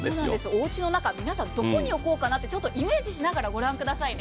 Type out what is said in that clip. おうちの中、どこに置こうかなってイメージしながら御覧ください。